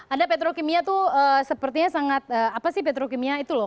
ada petrokimia itu sepertinya sangat apa sih petrokimia itu loh